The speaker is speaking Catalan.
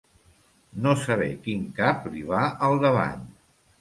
No saber quin cap li va al davant.